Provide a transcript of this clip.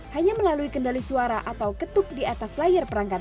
hanya melalui kendali suara atau ketuk di atas layar perangkat